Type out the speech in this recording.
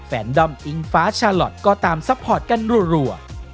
ด้อมอิงฟ้าชาลอทก็ตามซัพพอร์ตกันรัว